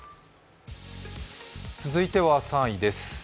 続いては３位です。